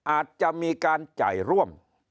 อาจจะมีการจ่ายร่วม